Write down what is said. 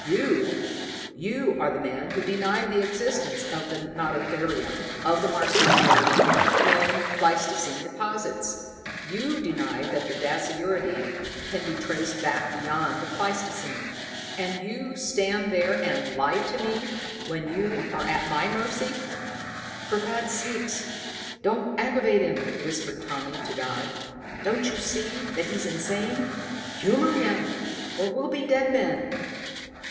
You you are the man who denied the existence of the nototherium, of the marsupial lion, in pleistocene deposits! You denied that the dasyuridae can be traced back beyond the pleistocene. And you stand there and lie to me, when you are at my mercy!" "For God's sake don't aggravate him," whispered Tommy to Dodd. "Don't you see that he's insane? Humor him, or we'll be dead men.